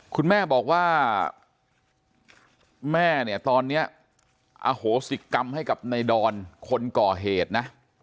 คุณแม่บอกว่าแม่เนี่ยตอนนี้อโหสิกรรมให้กับในดอนคนก่อเหตุนะ